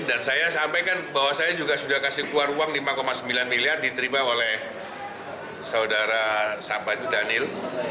dan saya sampaikan bahwa saya juga sudah kasih keluar uang lima sembilan miliar diterima oleh saudara sapa itu daniel